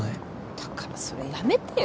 だからそれやめてよ。